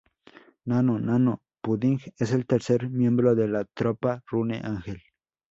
Nano-Nano Pudding, es el tercer miembro de la tropa Rune Angel.